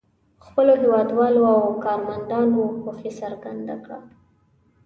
خپلو هېوادوالو او کارمندانو خوښي څرګنده کړه.